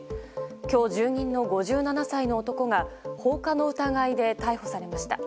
今日、住民の５７歳の男が放火の疑いで逮捕されました。